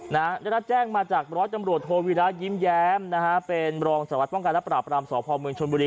นะฮะแล้วรัฐแจ้งมาจากร้อยจำรวจโทวิราชยิ้มแย้มนะฮะเป็นรองสวรรค์ป้องกันรัฐปราบรามสอบภอมเมืองชนบุรี